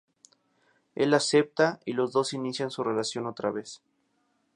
Él acepta, y los dos inician su relación otra vez.